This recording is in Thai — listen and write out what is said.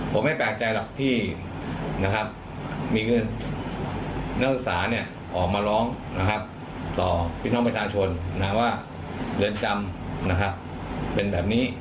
ผมไม่แปลกใจหรอกที่นักศึกษาออกมาร้องต่อพิทธิ์น้องประชาชนว่าเรือนจำเป็นแบบนี้